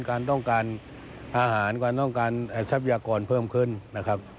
การต้องการอาหารการต้องการทรัพยากรเพิ่มขึ้นนะครับ